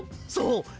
そう。